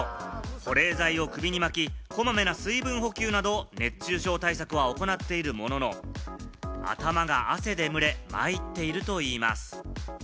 保冷剤を首に巻き、こまめな水分補給など熱中症対策は行っているものの、頭が汗で蒸れ、まいっているといいます。